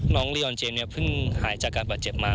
น้องลีออนเจมส์เพิ่งหายจากการประเจ็บมา